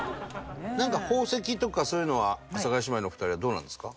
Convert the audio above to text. なんか宝石とかそういうのは阿佐ヶ谷姉妹のお二人はどうなんですか？